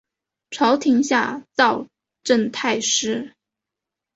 朝廷下诏赠太师。